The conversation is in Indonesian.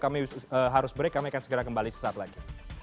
kami harus break kami akan segera kembali sesaat lagi